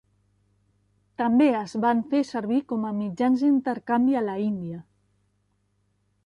També es van fer servir com a mitjans d'intercanvi a la India.